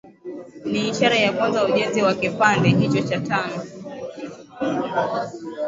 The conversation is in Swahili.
Ni ishara ya kuanza kwa ujenzi wa kipande hicho cha tano